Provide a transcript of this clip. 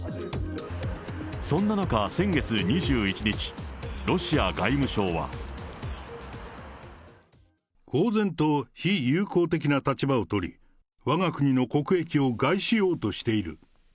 そんな中、先月２１日、公然と、非友好的な立場を取り、わが国の国益を害しようとしている。